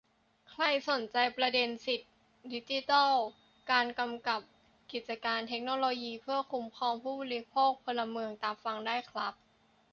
ใครสนใจประเด็นสิทธิดิจิทัล การกำกับกิจการเทคโนโลยีเพื่อคุ้มครองผู้บริโภค-พลเมือง ตามฟังได้ครับ